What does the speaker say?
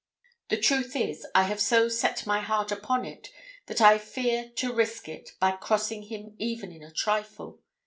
The truth is, I have so set my heart upon it that I fear to risk it by crossing him even in a trifle.